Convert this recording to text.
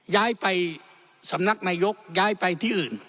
ย้ายไปสำนักนายกย้ายไปที่อื่น